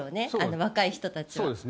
若い人たちは。